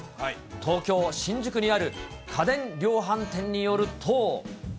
東京・新宿にある家電量販店によると。